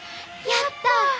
やった！